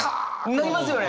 なりますよね！